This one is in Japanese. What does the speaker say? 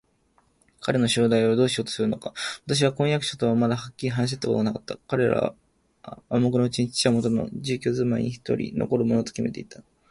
父の将来をどうしようとするのか、彼は婚約者とまだはっきり話し合ったことはなかった。彼らは暗黙のうちに、父はもとの住居すまいにひとり残るものときめていた